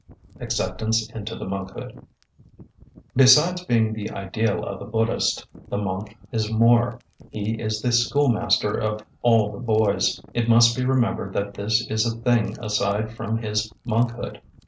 Acceptance into the Monkhood. Besides being the ideal of the Buddhists, the monk is more: he is the schoolmaster of all the boys. It must be remembered that this is a thing aside from his monkhood.